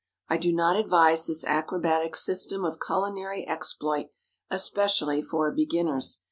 I do not advise this acrobatic system of culinary exploit, especially for beginners.